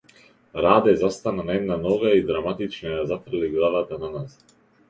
Раде застана на една нога и драматично ја зафрли главата наназад.